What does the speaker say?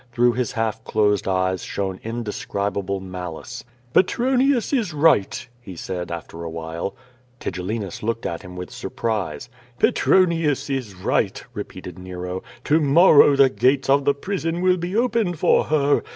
Through his half closed eyes shone indescribable malice. "Petronius is right," he said after a while. Tigellinus looked at him with surprise. "Petronius is right," repeated Nero. "To morrow the gates of the prison will be opened for her.